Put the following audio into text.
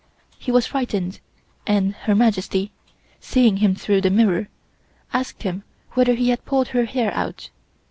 He was frightened, and Her Majesty, seeing him through the mirror, asked him whether he had pulled her hair out.